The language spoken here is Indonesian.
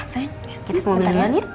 sayang kita ke mobil duluan ya